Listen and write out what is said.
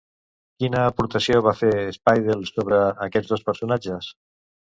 Quina aportació va fer Spiedel sobre aquests dos personatges?